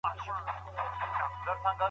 ښايي تاسو ته خوب نه درشي.